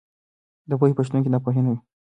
د پوهې په شتون کې ناپوهي نه وي.